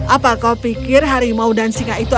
apa kau pikir harimau dan singa itu